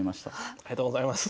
ありがとうございます。